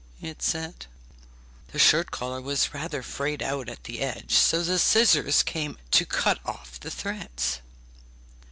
it said. The shirt collar was rather frayed out at the edge, so the scissors came to cut off the threads.